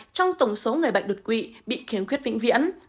trong tổng số người bệnh đột quỵ bị khiếm khuyết vĩnh viễn